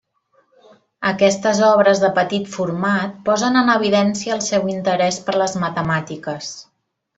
Aquestes obres de petit format posen en evidència el seu interès per les matemàtiques.